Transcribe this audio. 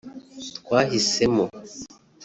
twahisemo